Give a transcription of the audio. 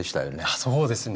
あそうですね。